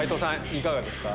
いかがですか？